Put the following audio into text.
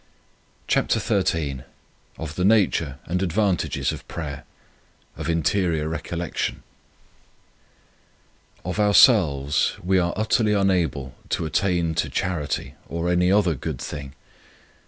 5. CHAPTER XIII OF THE NATURE AND ADVANTAGES OF PRAYER OF INTERIOR RECOLLECTION OF ourselves we are utterly unable to attain to charity or any other good thing.